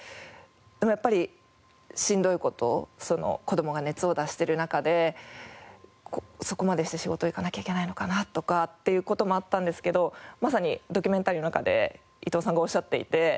でもやっぱりしんどい事子どもが熱を出してる中でそこまでして仕事行かなきゃいけないのかなとかっていう事もあったんですけどまさにドキュメンタリーの中で伊藤さんがおっしゃっていて。